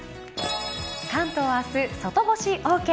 関東明日、外干しＯＫ。